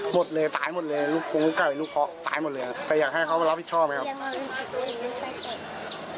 หมดเลยตายหมดเลยตายหมดเลยแต่อยากให้เขามารับผิดชอบไหมครับ